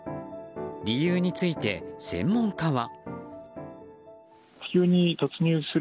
理由について、専門家は。